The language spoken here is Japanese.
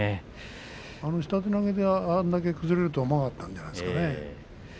下手投げであれだけ崩れるとは思わなかったんじゃないですか。